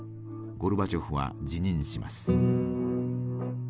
ゴルバチョフは辞任します。